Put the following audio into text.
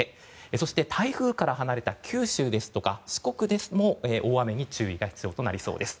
そして、台風から離れた九州ですとか四国でも大雨に注意が必要となりそうです。